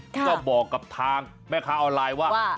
ก็บอกกับทางแม่ค้าออนไลน์ว่า